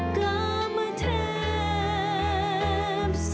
กามาเทพส่งเธอมา